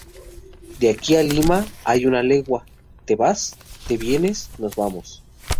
De aquí a Lima hay una legua ¿Te vas?, ¿Te vienes?, ¿Nos vamos?